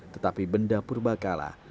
tetapi benda perbakalan